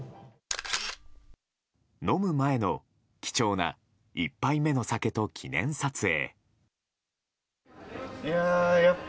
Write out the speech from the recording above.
飲む前の貴重な１杯目の酒と記念撮影。